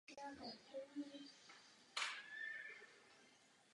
Máme již směrnici o spodních vodách a směrnici o dusičnanech.